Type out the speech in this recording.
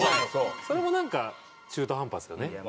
それもなんか中途半端ですよね。